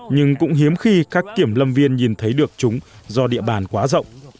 nhưng cũng hiếm khi các kiểm lâm viên nhìn thấy được chúng do địa bàn quá rộng